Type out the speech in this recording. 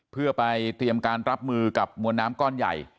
เพื่อไปเตรียมการรับมือกับมวลน้ำก้อนใหญ่